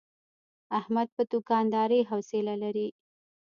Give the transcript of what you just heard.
احمد په دوکاندارۍ حوصله لري.